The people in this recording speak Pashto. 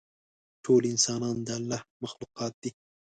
ټول انسانان د الله مخلوقات دي.